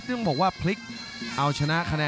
รับทราบบรรดาศักดิ์